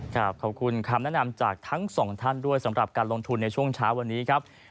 ขอบคุณคำแนะนำจากทั้งสองท่านด้วยสำหรับการลงทุนในช่วงเช้าวันนี้ครับ